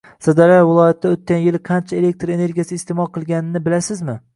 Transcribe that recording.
Sirdaryo viloyatida o‘tgan yili qancha elektr energiyasi iste’mol qilinganini bilasizmi?